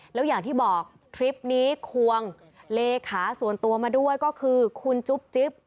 แล้วอย่างที่บอกทริปนี้ควงเลขาส่วนตัวมาด้วยก็คือคุณจุ๊บจิ๊บ